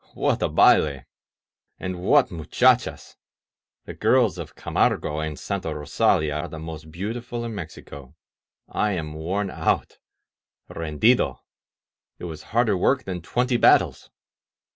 What a battel And what muchachasl The girls of Camargo and Santa Ros alia are the most beautiful in Mexico! I am worn out — rendidol It was harder work than twenty battles.